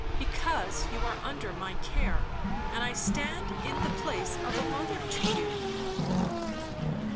"Because you are under my care, and I stand in the place of a mother to you."